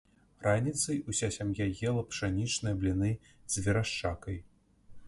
Раніцай уся сям'я ела пшанічныя бліны з верашчакай.